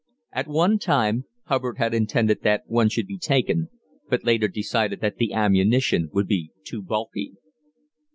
At one time Hubbard had intended that one should be taken, but later decided that the ammunition would be too bulky.